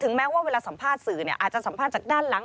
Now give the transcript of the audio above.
แม้ว่าเวลาสัมภาษณ์สื่ออาจจะสัมภาษณ์จากด้านหลัง